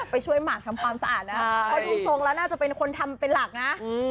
ไปช่วยหมากทำความสะอาดแล้วเพราะดูทรงแล้วน่าจะเป็นคนทำเป็นหลักนะ